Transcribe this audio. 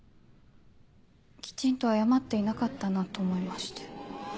きちんと謝っていなかったなと思いまして。